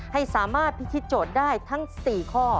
ให้สามารถพิธีโจทย์ได้ทั้ง๔ข้อ